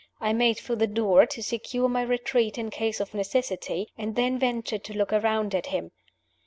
I made for the door, to secure my retreat in case of necessity and then ventured to look around at him.